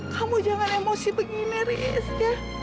kamu jangan emosi begini ris ya